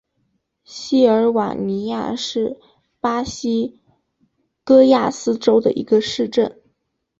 锡尔瓦尼亚是巴西戈亚斯州的一个市镇。